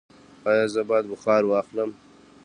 ایا زه باید بخار واخلم؟